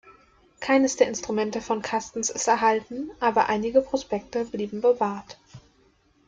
Keines der Instrumenten von Kastens ist erhalten, aber einige Prospekte blieben bewahrt.